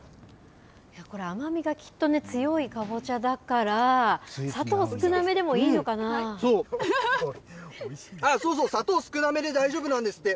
これ、甘みがきっと強いかぼちゃだから、砂糖少なめでもいいそうそう、砂糖少なめで大丈夫なんですって。